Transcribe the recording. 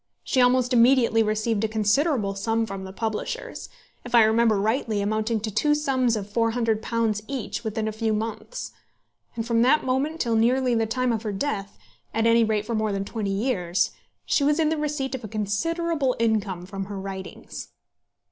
She almost immediately received a considerable sum from the publishers, if I remember rightly, amounting to two sums of £400 each within a few months; and from that moment till nearly the time of her death, at any rate for more than twenty years, she was in the receipt of a considerable income from her writings.